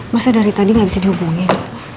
masa dari tadi nggak bisa dihubungin